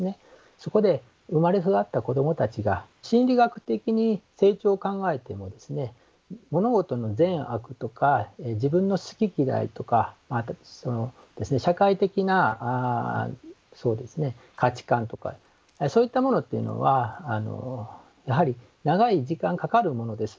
そこで生まれ育った子どもたちが心理学的に成長を考えても物事の善悪とか自分の好き嫌いとかあと社会的なそうですね価値観とかそういったものっていうのはやはり長い時間かかるものです。